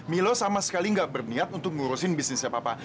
milo sama sekali nggak berniat untuk ngurusin bisnisnya papa